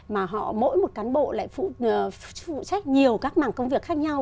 mà họ mỗi một cán bộ lại phụ trách nhiều các mảng công việc khác nhau